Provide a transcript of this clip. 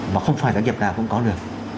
và không phải doanh nghiệp nào cũng có được